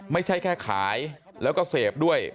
ไม่ใช่แค่ขายแล้วก็เสพด้วย